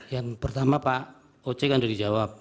yang pertama pak oce kan sudah dijawab